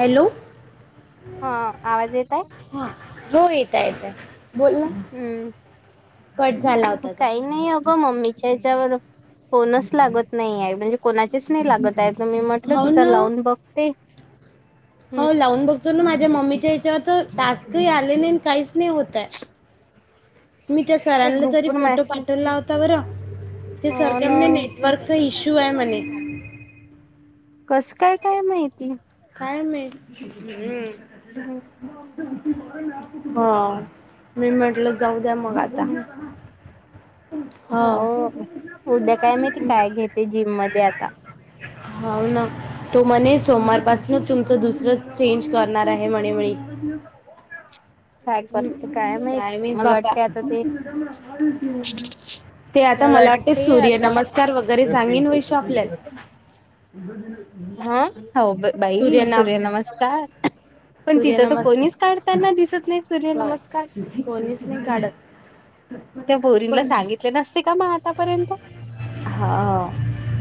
Hello. हा आवाज येतय? हा हो येतंय येतय बोल ना. हम्म. कट झाला होता तो काही नाही अगं मम्मीच्या ह्याच्यावर फोनच लागत नाही आहे म्हणजे कोणाचेच नाही लागत आहे तर मी म्हटल हो तुझा ना लाऊन बघते हो लावून हम्म बघतो ना माझ्या मम्मीीच्या याच्यावर तर टास्कही आले नाही काहीच नाही होता आहे मी त्या ते सरांला तरी ग्रुपवर फोटो मेसेज पाठवला होता बरं ते हो सरख्या ना म्ह नेट नटवर्कचा इशू आहे म्हने कसं काय काय माहिती कााय म हम्म हा मी म्हटलं जाऊ द्या मग आता हम्म. हा हो उद्या काय माहिती काय घेते जिम मध्ये आता होा ना तो मणे सोमवार हम्म तुमचं दुसरं चेंज करणार आहे म्हणे म्ह काय करते हम् माहित काय मीत मला बापा वाटते आता ते ते आता मला वाटते सूर्य नमस्कार वगैरे सांगीन वैश्व आपल्याला ह हा हो बाई सूर्य नमस्कार पण तिथं तर सूर्यनमस्कार कोणीच काढताना दिसत नाही सूर्य बर. नमस्कार कोणीच नाही काढत त्या बोरिंगला पण सांगितले नसते का मग आतापर्यंत हा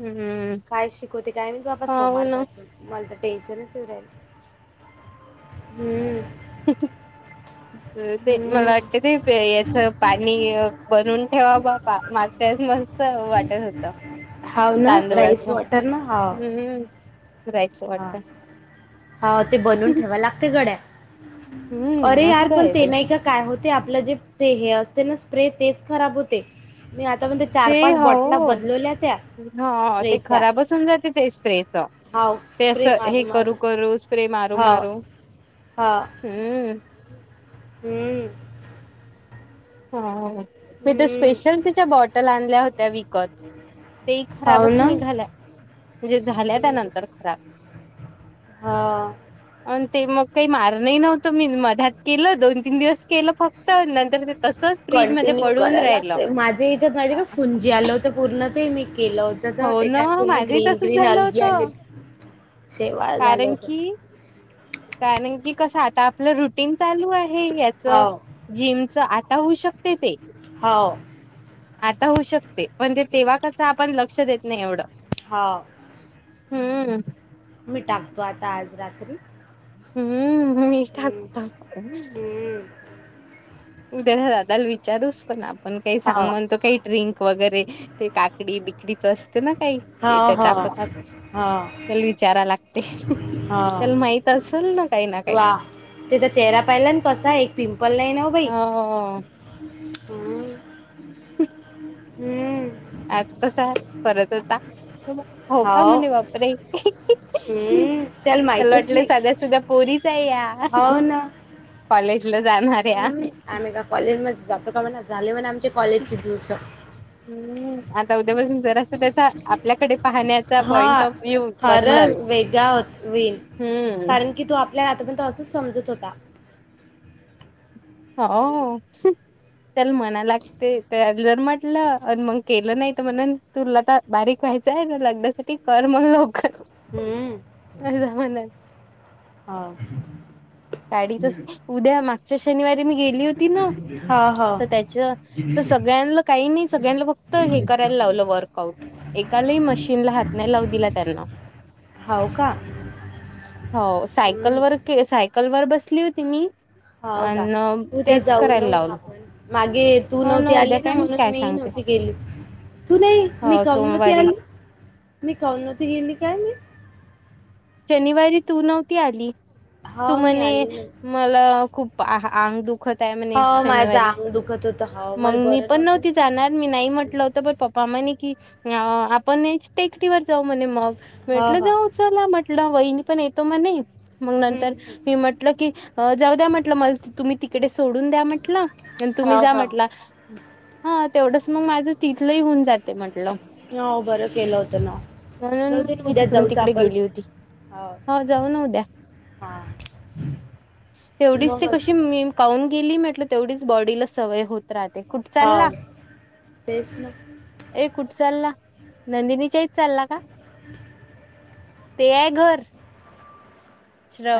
हम्म काय शिकवते काय म्हणजे बाबा हो ना सोमारपासून मला तर टेन्शनच उडल हम्म [inaudible] ते हम्म मला वाटतें ते याच पाणी बनवून ठेवा बा तेच मस्त वाटत हाव ना होतां ळाच राईस वॉटर ना हाव हम् रायचं हा. वाटत हा ते बनून ठेवा लागते गड्या हम्म अरे यार मस्त पण आहे ते नाही का काय होते आपलं जे ते हे असते ना स्प्रे तेच खराब होते मी आता चार पाच बॉटला बदलवल्या त्या ह ते स्प्रेच्या खराबचन जाते ते स्प्रेच हाव ते स्प्रे असं मारू हे मारू करू करू स्प्रे मारू हाव मारू हा हम्म हम्म ह मी ते हम्म स्पेशल तिच्या बॉटल आणल्या होत्या त्या विकत ते हाव खराबच ना निघाल्या म्हणजे झाल्या त्यानंतर खराब हां अ ते मग काही मारण नव्हतं मी मध्यात केलं दोन तीन दिवस केलं फक्त नर कंटिन्यू करायला ते माझ्ये याचात माहीती हे का फून जे आलं होत पूर्ण ते मी केलं होतं तर हो ना त्याच्यावर पूर्ण माझंही ग्रीन तसच ग्रीन झालं अलगी होतं आलीत. कारण की कारण की कसं आता आपलं रुटीन चालू आहे यात. च हाव जिम च आता होऊ शकते ते. हाव आता होऊ शकते पण ते तेव्हा कसं आपण लक्ष देत नाही एवढं. हा. हम्म. मी टाकतो आता आज रात्री. हम्म मीठता हम्म टाकत ना, हम्म उद्या त्या दादाला विचारूस पण आपण काही हा सांग म्हणतो काही ड्रिंक वगैरे ते काकडी बिकडीच असते ना काही. हा याच्यात हा दाखवतात हा त्याल विचारा लागते. हा त्याला माहित असेल ना काही ना काही वा त्याचा चेहरा पाहिला न कसा एक पिंपल नाही नाव बाई हो हम्म. ह [inaudible] हम्म. आज तसाच करत होता. हो का म्हणे बापरे. हम्म. त्याला माहितच वाटलं नाही साध्या सुध्या पोरीच आहे या हो ना कॉलेजला जाणाऱ्या हम्म. आम्ही का कॉलेज म जातो का म्हणा झाले म्हण आमचे कॉलेजची दिुवस हम्म आता उद्यापासून जरा अस आपल्याकडे पाहण्याचा पॉइंट हा ऑफ व्ह्यू बदलल खरंच वेगळा होत होईल हम्म. कारण की तो आपल्याला आतापर्यंत असंच समजत होता. अ. हो त्याला म्हणाय लागते त्या जर म्हटलं मग केलं नाही तर म्हणून तुरल तर बारीक व्हायचंय लग्ना साठी कर मग लवकर. हम्म. अदा म्हण [unintelligible] हा. गाडीच उद्या मागच्या शनिवारी मी गेली मी होती न हो हो त त्याच त सगळ्यां काही नाही सळ्यांन बघ फक्त हे करायला लावलं वर्कआउट एकालाही मशीनला हात नाही लाव दिला त्यांना होव? का हो हम्म. सायकलवर के सायकल वर बसली होती मी. हो अ का न उद्या तेच जाऊ ना करायला मग लावल. आपण मागे तू नव्हती आली ना म्हणून काय मीही सांगते नव्हती गेली. तू नाही मी हो काऊनती सोमवारी. आली मी काउनती गेली काय मी शनिवारी तू नव्हती आली तू हा मी म्हणे आली ना मला खूप आ अंग दुक दुखत आहे म्हणे हा माझं शनिवारी अंग दुखत होतं हा मग मला मी बरं पण नव्हतं नव्हती जाणार मी नाही म्हटलं होत. त पप्पा म्हणे की अ आपण हे टेकटवर जाऊ म्हणे मग हा वेटलं हा जाऊत. चला म्हटलं वहिनी पण येतो म्हणे मंग हम्म नंतर हम्म मी म्हट म्हट की जाऊ द्या म्हटलं मला तुम्ही तिकडे सोडून द्या म्हटलं आणि तुम्ही हा जा हा म्हटला हा तेवढंच मग माझं तिथलंही होऊन जाते म्हटलं. हो बरं केलं होतं ना म्हणून जाऊ त मी उद्या तिकडून जाऊच तिकडे आपण. गेली होती हो जाऊ न उद्या हा तेवढीच ते मगच कशी मी खऊन गेली म्हटलं तेवढीच बॉडीला सवय होत. राहते कुठ चालला? हो तेच ना ए कुठ चालला नंदिनीच्याहीत चालला का [inaudible] तेघर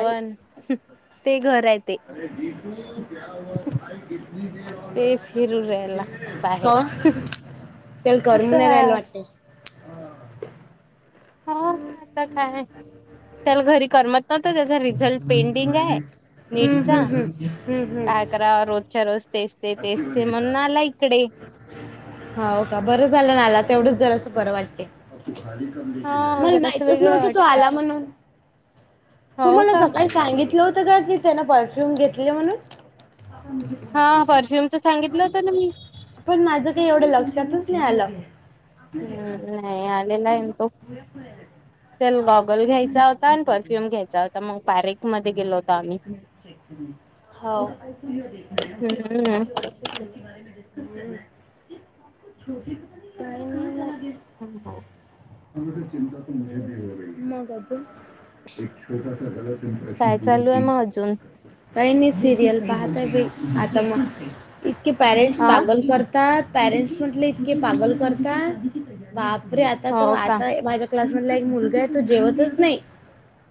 आई ते घर आहे ते भा किती देर ते फिरू रायला बाहेर त्याला करून असं नाही राहायला वाटत हो आता काय त्याला घरी करमत नव्हत त्याचा र झल पेंडिंग आहे हम्म नीटचा हम्म हम्म हम्म काय हम्म करा रोजच्या रोज तेच तेचे म्हणून आला इकडे हो हो का बरं झालं नाला तेवढच जरा असं बरं वाटते हा मला जरासं माहितच वेगळं नव्हती तो वाटते आला म्हणून तू हो मला का सकाळी सांगितलं होतं का की त्यान परफ्युम घेतले म्हणून हा परफ्युमच सांगितलं होतं ना मी पण माझं काही एवढं लक्षातच नाही आलं हम्म नाही आलेला आहे तो चल हा गॉगल घ्यायचा होता आणि परफ्यूम घ्यायचा होता मग बरे हो हम्म छोटी काय नाही झा हो हो त चिता तझ एक छोटसा गल प्रश काय चालू आहे मग अजून काही नाही सिरियल पाहताय आता मग इतके हा पॅरेंटगल करत पॅरेंट्स म्हटले इतके पागल करतात बापरे आता त हो का आता माझ्या क्लास मधला एक मुलगा आहे तो जेवतच नाही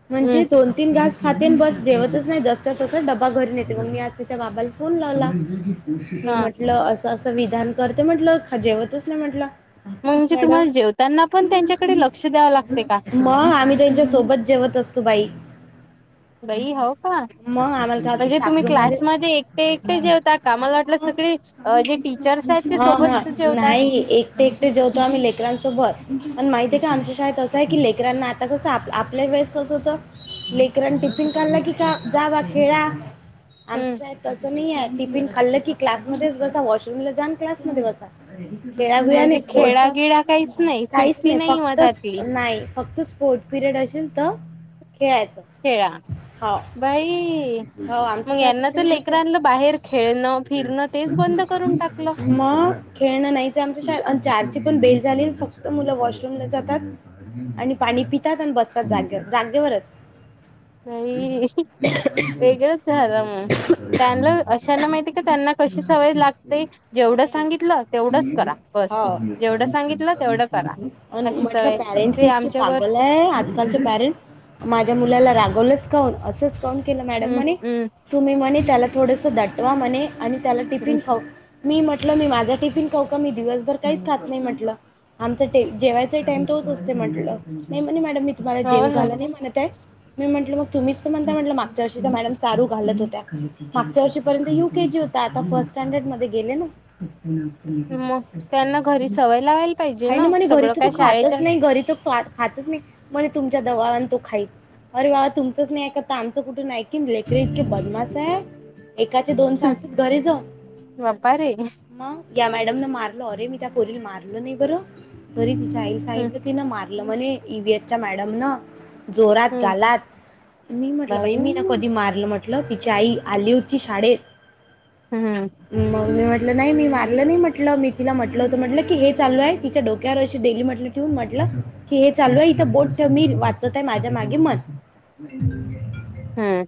हम्म म्हणजे दोन तीन घास खातन बस जेवतच नाही जसत तसाच ड्बा घरीून येते मग मी आज त्याच्या बाबाला फोन लावला क हा म्हंटलं असं असं विधान करते म्हटल जेवतच नाही म्हंटलं म्हणजे तुम्हाला जेवताना पण त्यांच्याकडे लक्ष द्यावं लागते का मग आम्ही त्यांच्यासोबत जेवत असतो बाई बाई होव का मग आम्हाला का असं म्हणजे तुम्ही स्टाफरूम मध्ये क्लासमध्ये एकटे एकटे जेवता का मला वाटलं सगळी अ जे टीचर्स आहेत ते हा हा सोबत जेवतात नाही एकटे एकटे जेववो आम्ही लेकरांसोबत प माहितय का आमच्या शाेत असं आहेी लेकरांना आता कसं आप आपल्या वेळेस कसं होतं लेकरन टिफिन काढला की का जावा खेळा आमच्या हम्म शाळेत तसं नाही आहे टिफिन खाल्लं की क्लासमध्येध्येच बसा वॉशरूमला जान क्लासमध्ये बसा खेळा खिळ म्हणजे नाही स्पोर्ट खेळागिळा काहीच नाही काहीच सुट्टी नाही फक्त मधातली नाही फक्त स्पोर्ट पिरियड असेल तर खेळायचं खेळा हो बाई हो आमच्या मग शाळेत यांना असं तर नाहीच लेकर आहे आणलं बाहेर खेळणं फिरणं तेच बंद करून टाकलं मग खेळणं नाहीच आमच्या चारची पण बेल झाली फक्त मुलं वॉशरूमला जातात आणि पाणी पितात आणि बसतात जागे जागेवरच [unintelligible] नाही वेगळंच झालं मग. त्यांना अशाना माहिती का त्यांना कशी सवय लागते जेवढं सांगितलं तेवढंच करा बस सा जेवढं सांगितलं चिंता तेवढं करा. अशी म्हटलं सवय पॅरेंट्स ते इतकीे आमच्यावर पागल आहे आजकालचे पॅरेंट माझ्या मुलाला रागवलंच काऊन असंच काम केलं मॅडम हम्म म्हणे हम्म तुम्ही म्हणे त्याला थोडंसं दटवा म्हणे आणि त्याला टिफिन हम्म खाऊ मी म्हटलं मी माझा टिफिन खाऊ का मी दिवसभर काहीच खात नाही म्हटलं आमचा जेवायचा टाम तोच असते म्हटलं नाही म्हणे मॅडम मी तुम्हाला हो जेव ना घाला नाही म्ह ते मी म्हटलं मग तुम्हीच तर म्हणता म्हटलं मागच्या वर्षी तर मॅडम चारू घालत होत्या मागच्या वर्षीपर्यंत यू के जी हो तर आता फर्स्ट स्टँडर्डमध्ये गेले ना मग त्यांना घरी सवय लावायला पाहिजे ह ना म्ह घरी सगळं तर काय त शाळेच्या खातच नाही घरी तर ख खातच नाही मणे तुमच्या दवाने तो खाई अरे बाबा तुमचंच नाही आहे का त आमचं कुठून आहे की लेकर इतके बदमास आहे एकाचे दोन सांगत घरी जाऊ बापा रे मग या मॅडम न मारल अरे मी त्या पोरी मारलो नाही बरं तरी ति हम्म साितलं तिनं मारलं म्हणे ईव्हीएच च्या मॅडम न जोरात हम्म गालात मी म्हटलं बाई मी ना कधी मारलं म्हट म्हलं तिची आई आली होती शाळेत हम्म मग मी म्हटलं नाही मी मारलं नाही म्हटलं मी तिला म्हटलं होतं म्हटलं की हे चालू आहे तिच्या डोक्यावर अशी डेली म्हटली ठेन म्हटलं की हे चालू आहे इथं बोट मी वाचत ते माझ्या मागे मन हम्म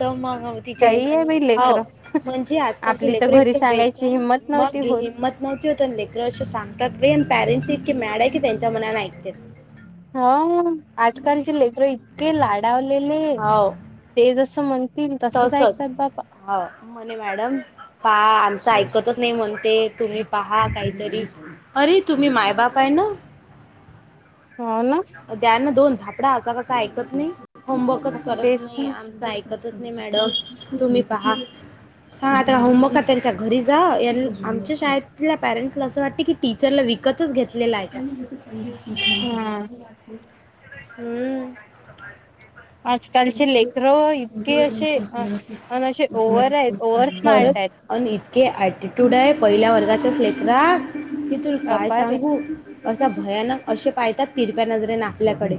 तर मग तिच्या काही आहे इमाने बाई हो, लेकरं म्हणजे आजकालचे आपली तर लेकर घरी इतके बे सांगायची हिंमत नव्हती मग होत. हिंमत [unintelligible] होता लेकर असे सांगतात बी आणि, पॅरेंट्स इतके मॅड आहेत की, त्यांच्या मनाने ऐकतात हो, आजकालचे लेकर इतके लाडावलेले, हो ते जसं म्हण तील तसच तसंच ऐकतात बाबा हो मणे मॅडम पहा आमचं ऐकतच नाही म्हणते, तुम्ही पहा काहीतरी अरे तुम्ही मायबाप आहे ना? हो ना. द्याना दोन झापडा, असा कसा ऐकत नाही, होमवर्कच करत तेच नाही ना आमच ऐक कतच नाही मॅडम तुम्ही पहा [unintelligible] होमवर्क आ त्यांच्या घरी जा आम शाळेतल्या पॅरंटसला असं वाटते कि टीचरला विकतच घेतलेला आहे हा. हम्म. आजकालचे लेकर इतके असे, अ असे ओव्हर आहेत ओवर स्मार्ट हायत अन इतके ॲटिट्यूड आहे, पहिल्या वर्गाचाच लेकरा, हे तू काय बापा रे सांगू असा भयानक असे, पाहतात तिरप्या नजरेन आपल्याकडे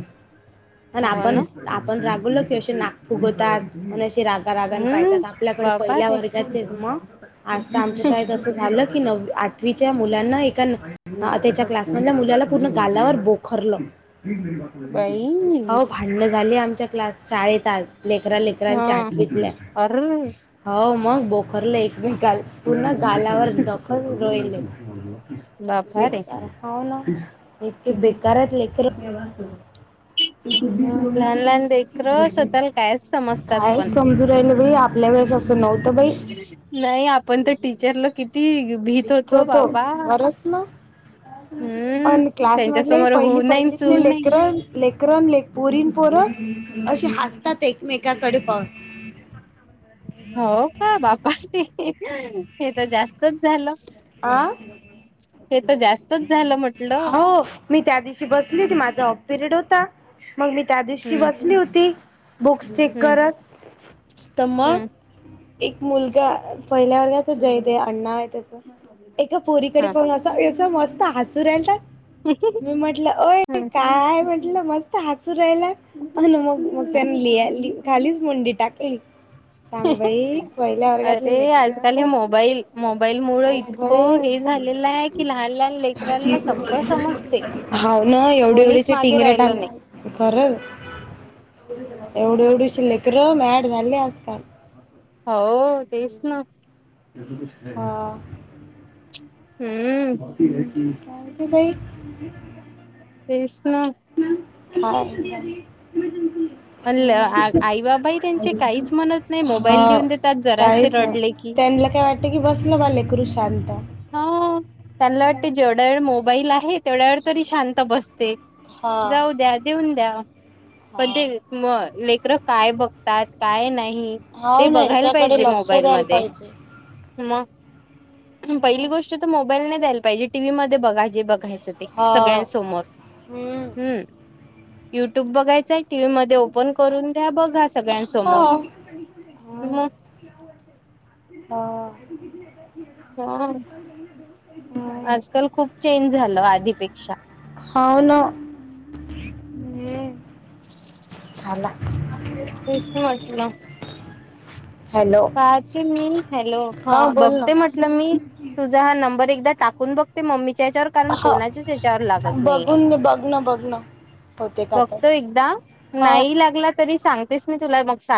आण हो आपण, ना आपण रागवलो की, असे नाक फुगवतात, म्हण अे राग रागण हम्म पाहतात, आपल्याकडे बापा पहिल्या रे वर्गाचेच मग आजता आमच्या शाळेत असं झालं की नव आठ पृवीच्या मुलांना एका त्याच्या क्लासमधल्या मुलाला पूर्ण गालावर बोखरलं. बाई हो. भाड्णं झाली, आमच्या क्लास शाळेत, आज लेकरा हा लेकरांच्या आटवीतल्या अर हो, मग बोखरले एकम गाल, पूर्ण गालावर दखल रोईले बापा रे हो ना, इतके बेकार आहेत लेकरं लहान लहान लेकरं स्वतःला कायच समजतात काय पण समजून राहिल बाई आपल्यावेळेस अस नव्हतं बाई नाही आपण तर टीचरला किती भीत होतो, घरच ना हम्म पण क्लास मधले त्यांच्यासमोर पहिली होऊ नाही चू पहिलीतली नाही. लेकर लेकरन ले पुरीन, पोर अशी हसतात एकमेकाकडे प हो का, बापा हे तर जास्तच झालं आ हे तर जास्तच झालं म्हटलं. हो मी त्या दिवशी बसली होती, माझा ऑफ पिरियड होता, मग मी त्या दिवशी हम्म बसली होती. बुक्स चेक हम्म करत. तर हम्म मग एक मुलगा, पहिल्या वर्गाच जयते आडनाव आहे त्याच. एका पोरीकडे हा. पाहून अस मस्त हसू राहिला होता. मी म्हंटलं ओय हम्म काय आहे म्हण. मस्त हसू राहिला मगं मगं हम्म त्याना लि ल खालीच मुंडी टाकली. सांग बाई पहिल्या अरे वर्गातले आजकाल हे लेकरं. मोबाईल मोबाईल मुळ [inaudible] इतकं हे झालेलं आहे की लहान लहान लेकरांना सगळं समजते. हाव ना एवढे कोणीच एवढीचे मागे टिंगरे राहिलं टग नाही खरं एवढी एवढीशी लेकरं मॅड झाली आजकाल. हो तेच ना. हा. हम्! [inaudible] तेच ना. [inaudible] आई बाबाही त्यांचे काहीच म्हणत नाही मोबाईल हा देऊन देतात जरासे काहीच ना रडले की त्यांला काय वाट त की बसले बघ लेकरू शांत. हा त्यांना वाटते जेवढ्या वेळ मोबाईल आहे तेवढ्या वेळ तरी शांत बसते. हा जाऊ द्या. देऊन द्या. पण ते हा मगं लेकर काय बघतात काय नाही. ते हाव ना बघायला याच्याकडे पाहिजे लक्ष मोबाईल द्यायला मध्ये पाहिजे. मगं. पहिली गोष्ट तर मोबाईल नाही द्यायला पाहिजे टीव्ही मध्ये बघा जे बघायच. हा. सगळ्यांसमोर, हम्म युट्यूब बघायचंय. टीव्ही मध्ये ओपन करून द्या बघा हा. सगळ्यांसमोर मगं. हा. हो. आजकाल खूप चेंज झालं आधीपेक्षा. हो ना. [inaudible] तेच म्हंटल. हॅलो. काय क मी हॅलो, हा बोल ना. बघते म मी तुझा हा नंबर एकदा टाकून बघते मम्मीच्या हेच्यावर. कारण हा. कोणाच्याच याच्यावर लागत नाहीये. बघून बघ ना बघ ना. होते का तर. बघतो एकदा हा. नाही हा. लागला तरी सांगतेच मी तुला मगं सांग.